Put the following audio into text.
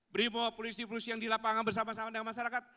brimo polisi polisi yang di lapangan bersama sama dengan masyarakat